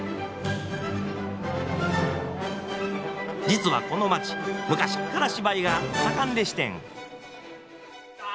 実はこの街昔っから芝居が盛んでしてん。